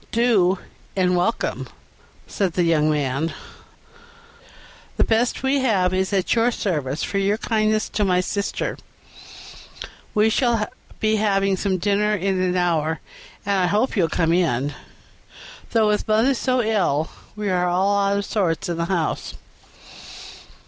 "Do, and welcome," said the young man; "the best we have is at your service for your kindness to my sister; we shall be having some dinner in an hour, and I hope you'll come in, though with mother so ill we are all out of sorts in the house."